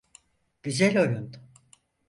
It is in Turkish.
Güzel oyun.